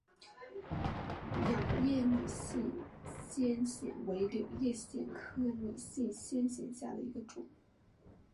仰叶拟细湿藓为柳叶藓科拟细湿藓下的一个种。